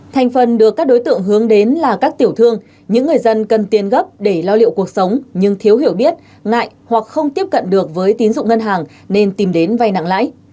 thành phần được các đối tượng hướng đến là các tiểu thương những người dân cần tiền gấp để lo liệu cuộc sống nhưng thiếu hiểu biết ngại hoặc không tiếp cận được với tín dụng ngân hàng nên tìm đến vay nặng lãi